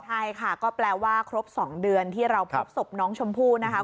ใช่ค่ะก็แปลว่าครบ๒เดือนที่เราพบศพน้องชมพู่นะคะ